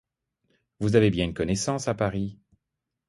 Vous avez bien une connaissance à Paris ?